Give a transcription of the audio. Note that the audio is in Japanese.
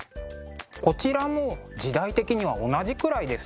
こちらも時代的には同じくらいですか？